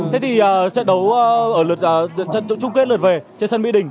thế thì trận đấu trung kết lượt về trên sân mỹ đình